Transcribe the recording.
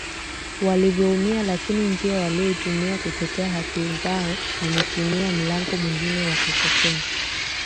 Wanavyoumia lakini njia waliyoitumia kutetea haki zao wametumia mlango mwingine wa kutokea